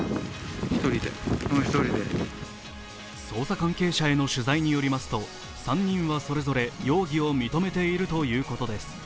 捜査関係者への取材によりますと３人はそれぞれ容疑を認めているということです。